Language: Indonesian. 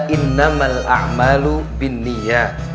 innamal a'malu binniha